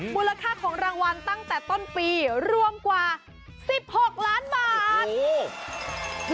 มูลค่าของรางวัลตั้งแต่ต้นปีรวมกว่า๑๖ล้านบาท